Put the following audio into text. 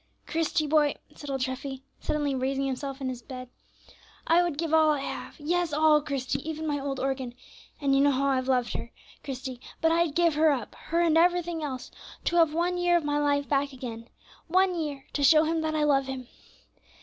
"Christie, boy," said old Treffy, suddenly raising himself in bed, "I would give all I have; yes, all, Christie, even my old organ, and you know how I've loved her, Christie, but I'd give her up, her and everything else, to have one year of my life back again one year to show Him that I love Him.